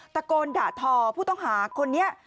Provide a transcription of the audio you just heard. ตะโกนด่าทอผู้ต้องหาคนนี้